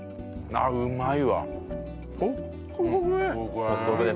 あっうまい。